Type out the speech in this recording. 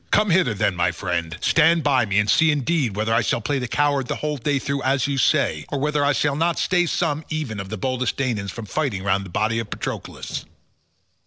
Come hither then, my friend, stand by me and see indeed whether I shall play the coward the whole day through as you say, or whether I shall not stay some even of the boldest Danaans from fighting round the body of Patroclus."